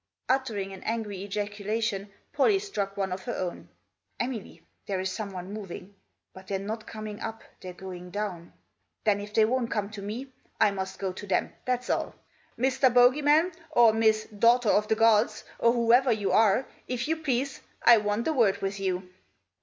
Uttering an angry ejaculation Pollie struck one of her own. " Emily, there is someone moving ; but they're not coming up, they're going down. Then if they won't come to me I must go to them, that's all. Mr. Bogey man, or Miss Daughter of the gods, or whoever you are, if you please, I want a word with you."